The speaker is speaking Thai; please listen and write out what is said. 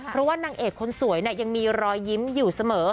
เพราะว่านางเอกคนสวยยังมีรอยยิ้มอยู่เสมอ